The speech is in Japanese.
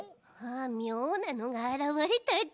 みょうなのがあらわれたち。